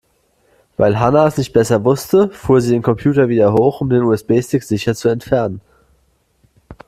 Weil Hanna es nicht besser wusste, fuhr sie den Computer wieder hoch, um den USB-Stick sicher zu entfernen.